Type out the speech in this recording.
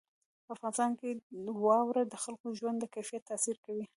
افغانستان کې واوره د خلکو د ژوند کیفیت تاثیر کوي.